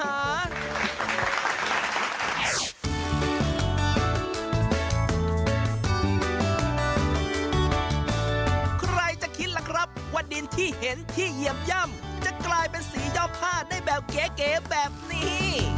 ใครจะคิดล่ะครับว่าดินที่เห็นที่เหยียบย่ำจะกลายเป็นสีย่อผ้าได้แบบเก๋แบบนี้